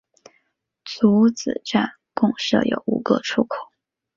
竹子林站共设有五个出口。